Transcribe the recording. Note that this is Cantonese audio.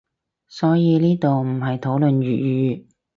所以呢度唔係討論粵語